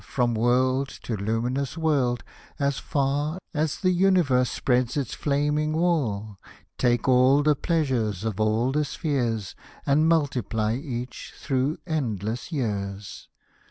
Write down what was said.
From world to luminous world, as far As the universe spreads its flaming wall : Take all the pleasures of all the spheres, And multiply each through endless years.